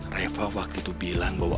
raya waktu itu bilang bahwa